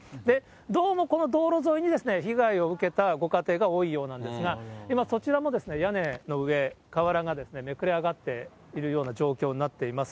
どうもこの道路沿いに被害を受けたご家庭が多いようなんですが、そちらも屋根の上、瓦がめくれ上がっているような状況になっています。